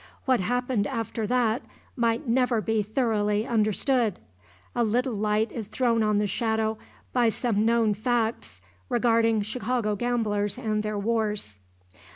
What happened after that might never be thoroughly understood. A little light is thrown on the shadow by some known facts regarding Chicago gamblers and their wars.